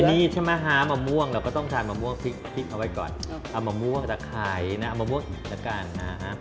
นี่ใช่ไหมฮะมะม่วงเราก็ต้องทานมะม่วงพริกเอาไว้ก่อนเอามะม่วงตะไครนะเอามะม่วงอีกแล้วกันนะฮะ